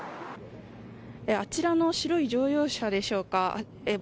あちらの白い乗用車でしょうか。